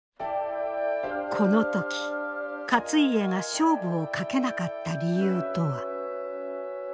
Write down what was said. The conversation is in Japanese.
この時勝家が勝負をかけなかった理由とは。